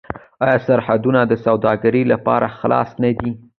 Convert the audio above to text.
آیا سرحدونه د سوداګرۍ لپاره خلاص نه دي؟